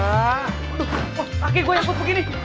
aduh kaki gua yang put begini